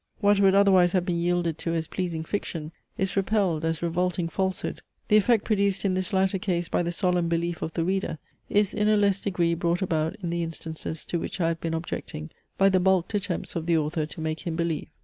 What would otherwise have been yielded to as pleasing fiction, is repelled as revolting falsehood. The effect produced in this latter case by the solemn belief of the reader, is in a less degree brought about in the instances, to which I have been objecting, by the balked attempts of the author to make him believe.